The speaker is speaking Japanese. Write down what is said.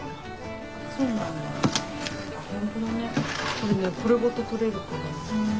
これねこれごととれるから。